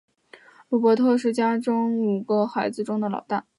鲁伯特是家里五个孩子中的老大。